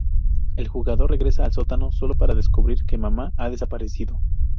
El jugador regresa al sótano solo para descubrir que Mamá ha desaparecido.